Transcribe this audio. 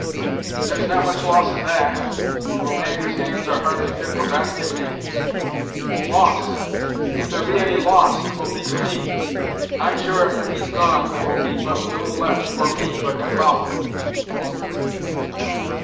There's not much loss in that, to a man whose hands are hardly fit for basket making Loss! if there be any loss, 'twill be to me. I'm sure after he's gone, there will be but little left for me but to follow."